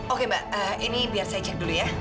oke mbak ini biar saya cek dulu ya